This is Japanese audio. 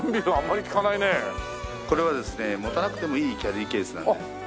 これはですね持たなくてもいいキャリーケースなんです。